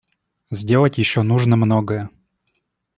Сделать еще нужно многое.